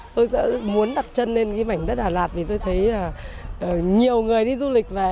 tôi muốn đặt chân lên mảnh đất đà lạt vì tôi thấy nhiều người đi du lịch về